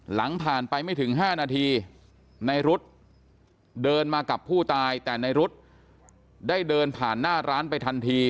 หลังผ่านไปไม่ถึง๕นาทีในรุ๊ดเดินมากับผู้ตายแต่ในรุ๊ดได้เดินผ่านหน้าร้านไปทันที